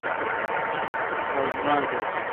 آج گاں اؘ دوس۔